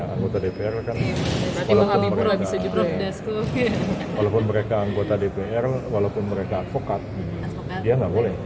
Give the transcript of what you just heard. anggota dpr kan walaupun mereka anggota dpr walaupun mereka advokat dia nggak boleh